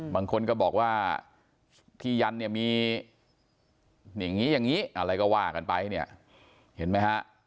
บางคนก็บอกว่าที่ยันเนี่ยมีอย่างนี้อย่างนี้อะไรก็ว่ากันไปเนี่ยเห็นไหมฮะ